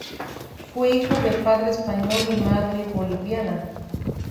Fue hijo de padre español y madre boliviana.